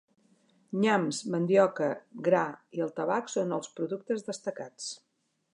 Nyams, mandioca, gra, i el tabac són els productes destacats.